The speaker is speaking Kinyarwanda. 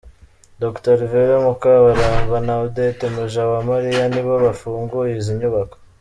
Dr Alvera Mukabaramba na Odette Mujawamariya nibo bafunguye izi nyubako.